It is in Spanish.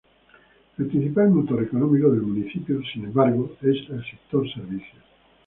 El principal motor económico del municipio, sin embargo, es el sector servicios.